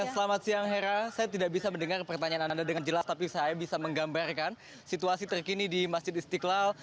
selamat siang hera saya tidak bisa mendengar pertanyaan anda dengan jelas tapi saya bisa menggambarkan situasi terkini di masjid istiqlal